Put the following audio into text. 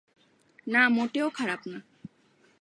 না, মোটেও খারাপ না।